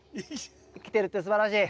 生きてるってすばらしい！